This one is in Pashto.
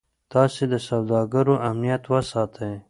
تاسي د سوداګرو امنیت وساتئ.